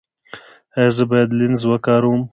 ایا زه باید لینز وکاروم؟